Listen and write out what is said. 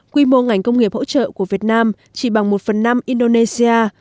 quy mô ngành công nghiệp hỗ trợ của việt nam chỉ bằng một phần năm indonesia